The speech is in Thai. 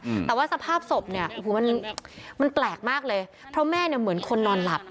อืมแต่ว่าสภาพศพเนี้ยโอ้โหมันมันแปลกมากเลยเพราะแม่เนี้ยเหมือนคนนอนหลับ